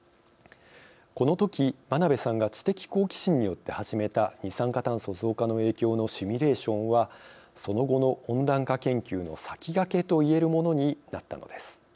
この時、真鍋さんが知的好奇心によって始めた二酸化炭素増加の影響のシミュレーションはその後の温暖化研究の先駆けと言えるものになったのです。